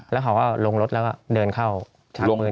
แล้วเขาก็ลงรถแบบนั้นเดินเดินเข้า